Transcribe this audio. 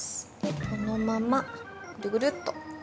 このまま、ぐるぐるっと。